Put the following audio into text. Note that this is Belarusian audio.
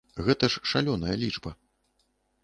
Гэта ж шалёная лічба.